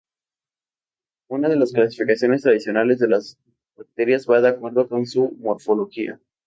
Una de las clasificaciones tradicionales de las bacterias va de acuerdo con su morfología.